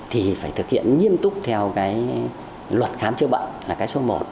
thì phải thực hiện nghiêm túc theo cái luật khám chữa bệnh là cái số một